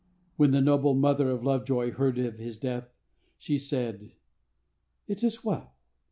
When the noble mother of Lovejoy heard of his death, she said, "It is well.